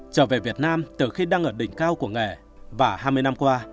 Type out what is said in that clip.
trở về việt nam từ khi đang ở đỉnh cao của nghề và hai mươi năm qua